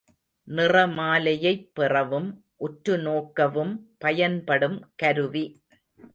நிறமாலையைப் பெறவும் உற்றுநோக்கவும் பயன்படும் கருவி.